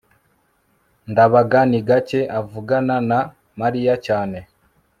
ndabaga ni gake avugana na mariya cyane